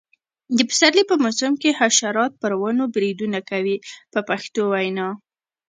د پسرلي په موسم کې حشرات پر ونو بریدونه کوي په پښتو وینا.